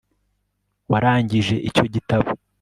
warangije icyo gitabo